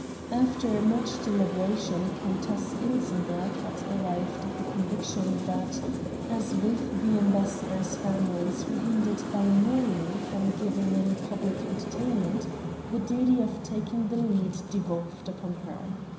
After much deliberation Countess Ilsenbergh had arrived at the conviction that, as both the ambassadors' families were hindered by mourning from giving any public entertainment, the duty of taking the lead devolved upon her.